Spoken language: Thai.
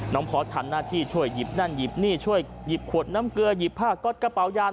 พอร์ตทำหน้าที่ช่วยหยิบนั่นหยิบนี่ช่วยหยิบขวดน้ำเกลือหยิบผ้าก๊อตกระเป๋ายา